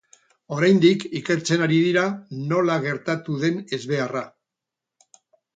Oraindik ikertzen ari dira nola gertatu den ezbeharra.